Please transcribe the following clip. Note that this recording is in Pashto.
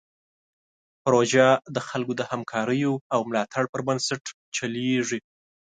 پروژه د خلکو د همکاریو او ملاتړ پر بنسټ چلیږي.